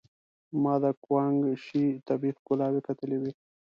ما د ګوانګ شي طبيعي ښکلاوې کتلې وې.